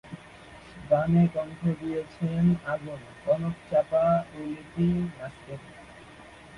গানে কণ্ঠ দিয়েছেন আগুন, কনক চাঁপা ও লিপি নাসরিন।